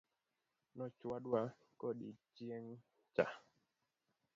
Nochwadwa kodi chieng cha.